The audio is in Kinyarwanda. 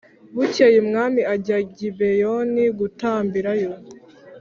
Bukeye umwami ajya i Gibeyoni gutambirayo